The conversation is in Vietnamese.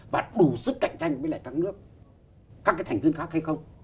và đủ sức cạnh tranh với lại các nước các cái thành viên khác hay không